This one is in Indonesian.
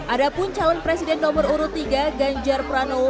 adapun calon presiden nomor urut tiga ganjar pranowo